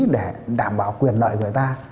để đảm bảo quyền loại người ta